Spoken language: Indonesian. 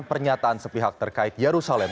pernyataan sepihak terkait yerusalem